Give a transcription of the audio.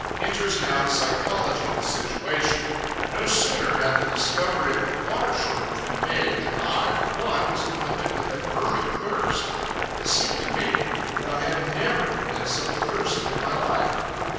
Enters now the psychology of the situation. No sooner had the discovery of the water shortage been made than I, for one, was afflicted with a burning thirst. It seemed to me that I had never been so thirsty in my life.